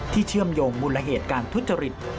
เชื่อมโยงมูลเหตุการทุจริต